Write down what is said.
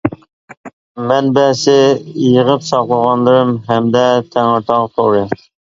مەنبەسى : يىغىپ ساقلىغانلىرىم ھەمدە تەڭرىتاغ تورى.